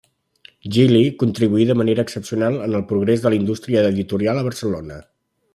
Gili contribuí de manera excepcional en el progrés de la indústria editorial a Barcelona.